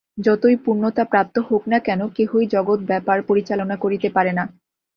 যতই পূর্ণতাপ্রাপ্ত হউক না কেন, কেহই জগৎ-ব্যাপার পরিচালনা করিতে পারে না।